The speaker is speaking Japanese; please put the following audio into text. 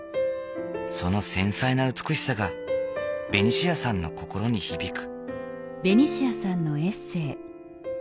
その繊細な美しさがベニシアさんの心に響く。